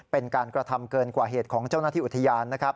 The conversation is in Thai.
เป็นการกระทำเกินกว่าเหตุของเจ้าหน้าที่อุทยานนะครับ